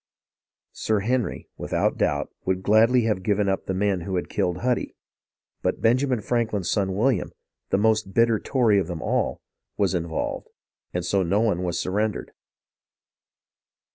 Sir Henry, without doubt, would gladly have given up the men who had killed Huddy; but Benjamin Franklin's son William, the most bitter Tory of them all, was in volved, and so no one was surrendered.